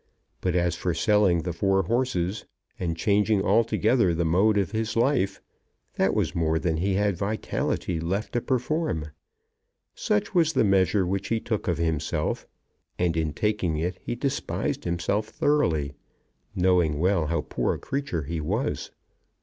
But as for selling the four horses, and changing altogether the mode of his life, that was more than he had vitality left to perform. Such was the measure which he took of himself, and in taking it he despised himself thoroughly, knowing well how poor a creature he was.